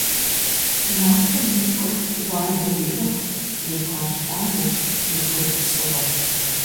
Нартым и пкъыр уардэу иӀыгът, и бгъэр лъагэт, и бгыр псыгъуэт.